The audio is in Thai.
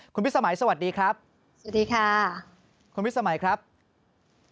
คุณพิษสมัยสวัสดีครับคุณพิษสมัยครับสวัสดีค่ะ